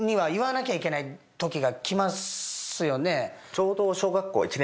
ちょうど。